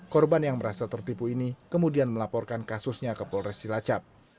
korban yang merasa tertipu ini kemudian melaporkan kasusnya ke polres cilacap